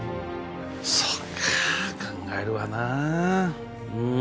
そっか考えるわなうん。